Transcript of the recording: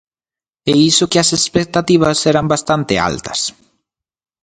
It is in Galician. E iso que as expectativas eran bastante altas.